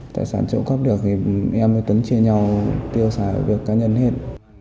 tài sản trộm cắp được thì em với tuấn chia nhau tiêu xài về việc cá nhân hết